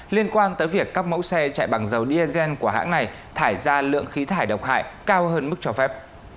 liên quan tới việc các mẫu xe chạy bằng dầu diesel của hãng này thải ra lượng khí thải độc hại cao hơn mức cho phép